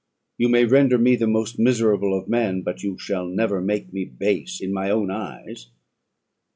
You may render me the most miserable of men, but you shall never make me base in my own eyes.